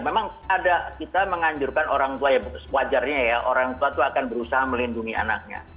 memang ada kita menganjurkan orang tua ya wajarnya ya orang tua itu akan berusaha melindungi anaknya